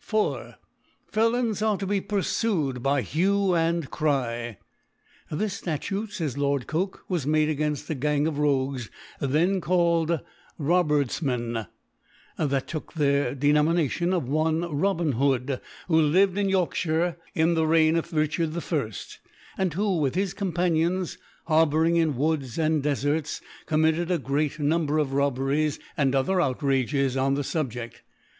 4. Felons arc to be purfued by Hue and Cry. rhis Statute, fays Lord Coke^ was made againil a Gang of Rogues then called Ro herdjmen^ that took their Denomination of one Rohin Hcod^ who lived in Torkjhire in the Keign of Richard I. and who, with his Companions, harbouring in Woods and De farts, committed a great Number of Robbe rics and other Outrages on the Subjeft.